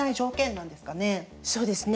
そうですね。